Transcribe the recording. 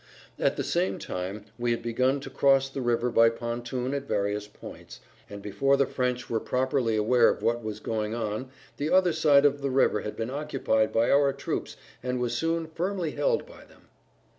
At the same time we had begun to cross the river by pontoon at various points, and before the French were properly aware of what was going on, the other side of the river had been occupied by our troops and was soon firmly held by them.